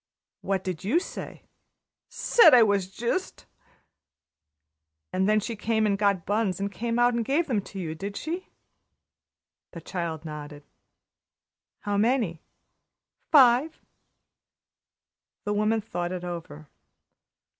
"What did you say?" "Said I was jist!" "And then she came in and got buns and came out and gave them to you, did she?" The child nodded. "How many?" "Five." The woman thought it over.